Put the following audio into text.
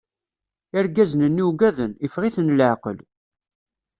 Irgazen-nni ugaden, iffeɣ- iten leɛqel.